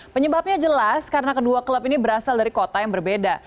penyebabnya jelas karena kedua klub ini berasal dari kota yang berbeda